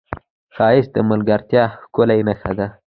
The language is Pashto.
ښایست د ملګرتیا ښکلې نښه ده